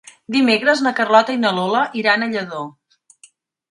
Dimecres na Carlota i na Lola iran a Lladó.